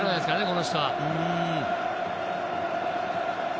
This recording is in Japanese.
この人は。